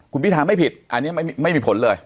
คุณพิธาไม่ผิดอันนี้ไม่มีผลเลย